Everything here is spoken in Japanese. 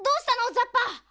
ザッパ！